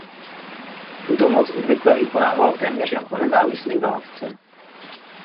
Tuto moc obvykle vykonával téměř jako nezávislý vládce.